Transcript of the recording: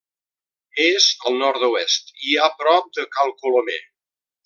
És al nord-oest i a prop de Cal Colomer.